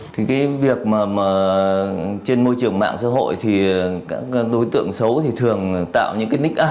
thì cái việc mà trên môi trường mạng xã hội thì các đối tượng xấu thì thường tạo những cái ních áp